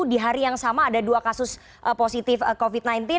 di hari yang sama ada dua kasus positif covid sembilan belas